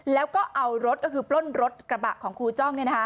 แล้วก็เอารถก็คือปล้นรถกระบะของครูจ้อง